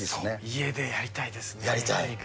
家でやりたいですね、焼き肉。